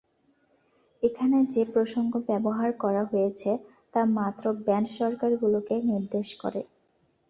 এখানে যে প্রসঙ্গ ব্যবহার করা হয়েছে, তা মাত্র ব্যান্ড সরকারগুলোকে নির্দেশ করে।